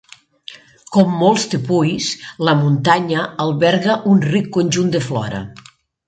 Com molts tepuis, la muntanya alberga un ric conjunt de flora.